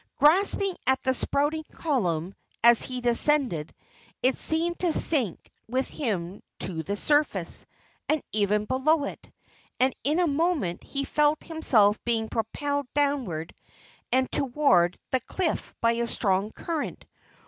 Grasping at the spouting column as he descended, it seemed to sink with him to the surface, and even below it, and in a moment he felt himself being propelled downward and toward the cliff by a strong current.